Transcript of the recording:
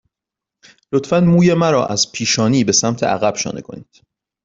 لطفاً موی مرا از پیشانی به سمت عقب شانه کنید.